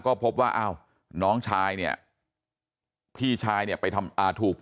ก็พบว่าอ้าวน้องชายเนี่ยพี่ชายเนี่ยไปทำอ่าถูก